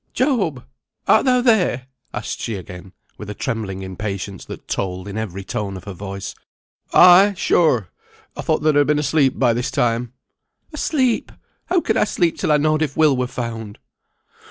"Job! art thou there?" asked she again with a trembling impatience that told in every tone of her voice. "Ay! sure! I thought thou'd ha' been asleep by this time." "Asleep! How could I sleep till I knowed if Will were found?"